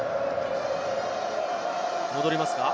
戻りますか？